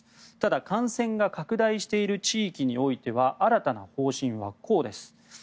ただ、感染が拡大している地域においては新たな方針はこうです。